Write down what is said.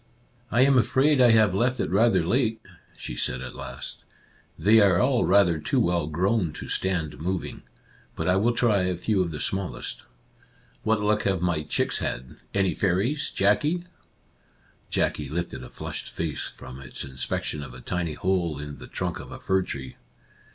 I am afraid I have left it rather late," she said at last. " They are all rather too well grown to stand moving. But I will try a few of the smallest. What luck have my chicks had ? Any fairies, Jackie ?" Jackie lifted a flushed face from its inspec tion of a tiny hole in the trunk of a fir tree.